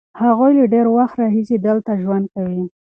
هغوی له ډېر وخت راهیسې دلته ژوند کوي.